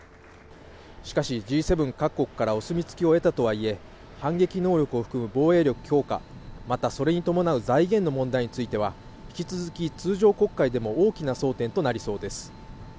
しかし、Ｇ７各国からお墨付きを得たとはいえ反撃能力を含む防衛力強化、またそれに伴う財源の問題については引き続き通常国会でも大きな争点となりそうです。